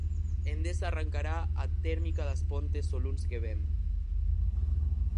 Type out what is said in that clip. Endesa arrancará a térmica das Pontes o luns que vén.